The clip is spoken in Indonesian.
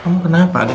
kamu kenapa adik